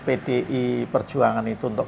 pdi perjuangan itu untuk